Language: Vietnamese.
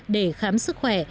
để khám sức khỏe